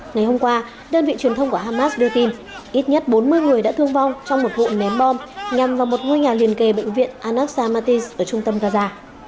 ngày hôm qua đơn vị truyền thông của hamas đưa tin ít nhất bốn mươi người đã thương vong trong một vụ ném bom nhằm vào một ngôi nhà liền kề bệnh viện al aqsa matti ở trung tâm gaza